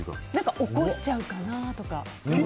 起こしちゃうかな、とか。